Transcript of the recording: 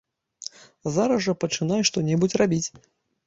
Зараз жа пачынай што-небудзь рабіць.